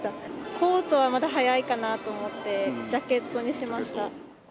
コートはまだ早いかなと思って、ジャケットにしました。